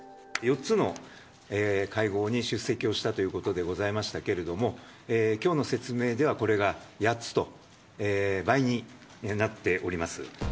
４つの会合に出席をしたということでございましたけれども、きょうの説明ではこれが８つと、倍になっております。